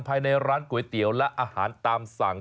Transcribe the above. ภายในร้านก๋วยเตี๋ยวและอาหารตามสั่ง